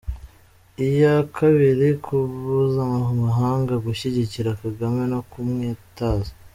Iya kabiri : Kubuza amahanga gushyigikira Kagame no kumwitaza